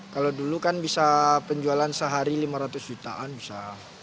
kalau dulu kan bisa penjualan sehari lima ratus jutaan bisa